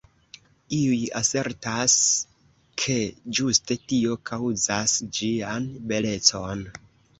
Iuj asertas, ke ĝuste tio kaŭzas ĝian belecon.